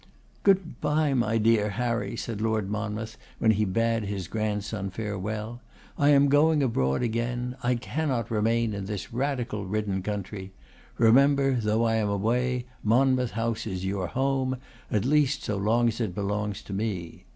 'Good bye, my dear Harry,' said Lord Monmouth, when he bade his grandson farewell. 'I am going abroad again; I cannot remain in this Radical ridden country. Remember, though I am away, Monmouth House is your home, at least so long as it belongs to me.